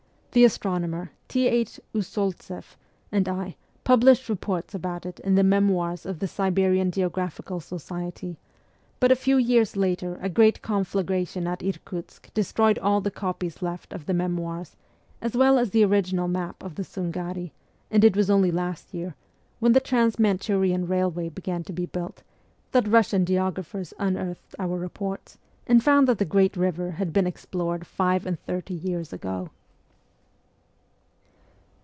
The astronomer, Th. Usoltzeff, and I published reports about it in the ' Memoirs ' of the Siberian Geographical Society ; but a few years later a great conflagration at Irkutsk destroyed all the copies left of the Memoirs as well as the original map of the Sungari, and it was only last year, when the Trans Manchurian railway began to be built, that Russian geographers unearthed our reports, and found that the great river had been explored five and thirty years ago.